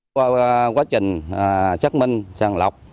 qua quá trình chắc minh trang lọc